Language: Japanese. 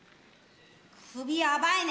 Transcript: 首、やばいね。